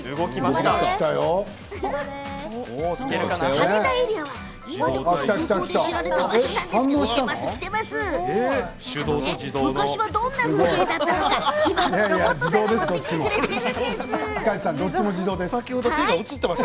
羽田エリアは今でこそ空港で知られた場所ですが昔はどんな風景だったのか今ロボットさんが持ってきてくれているんです。